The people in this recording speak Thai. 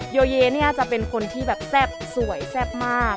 โยเยเนี่ยจะเป็นคนที่แบบแซ่บสวยแซ่บมาก